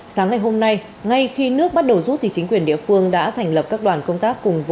sáng ngày hôm nay ngay khi nước bắt đầu rút thì chính quyền địa phương đã thành lập các đoàn công tác